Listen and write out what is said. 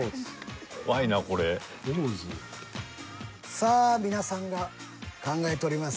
さあ皆さんが考えております。